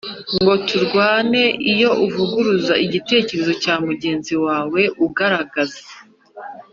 ngo turwane, iyo uvuguruza igitekerezo cya mugenzi wawe ugaragaza